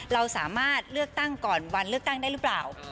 เราสามารถเลือกตั้งก่อนวันเลือกตั้งได้หรือเปล่า